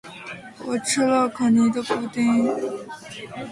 我吃了可妮的布丁